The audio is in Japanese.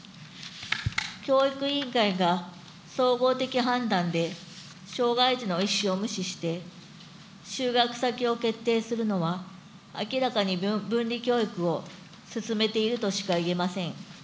教育委員会が総合的判断で障害児の意思を無視して就学先を決定するのは、明らかに分離教育を進めているとしかいえません。